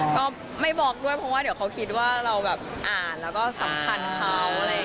ก็ไม่บล็อกด้วยเพราะว่าเดี๋ยวเขาคิดว่าเราอ่านแล้วก็สำคัญเขา